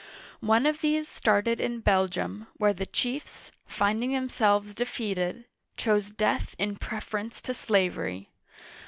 One of these started in Belgium, where the chiefs, finding themselves defeated, chose death in preference to slavery.